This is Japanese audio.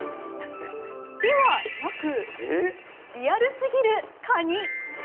ではなく、リアルすぎるカニ。